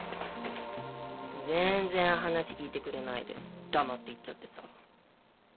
全然話聞いてくれないで黙って行っちゃってさ。